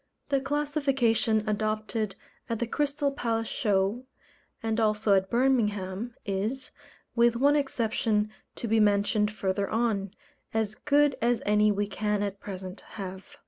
The classification adopted at the Crystal Palace Show, and also at Birmingham, is with one exception, to be mentioned further on as good as any we can at present have.